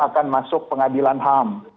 akan masuk pengadilan ham